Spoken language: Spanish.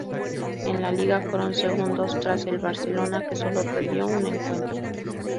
En la liga fueron segundos tras el Barcelona, que solo perdió un encuentro.